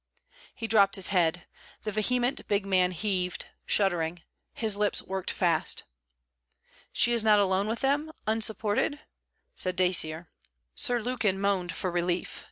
He dropped his head. The vehement big man heaved, shuddering. His lips worked fast. 'She is not alone with them, unsupported?' said Dacier. Sir Lukin moaned for relief.